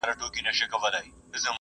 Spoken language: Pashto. رییس څه مسؤلیتونه لري؟